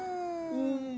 うん。